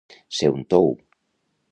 Ser un tou.